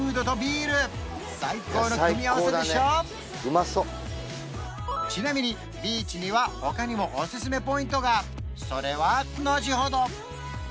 うまそうちなみにビーチには他にもおすすめポイントがそれはのちほど！